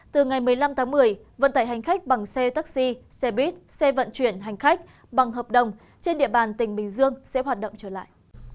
từ ngày một mươi năm tháng một mươi vận tải hành khách bằng xe taxi xe buýt xe vận chuyển hành khách bằng hợp đồng trên địa bàn tỉnh bình dương sẽ hoạt động trở lại